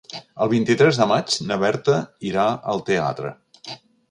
El vint-i-tres de maig na Berta irà al teatre.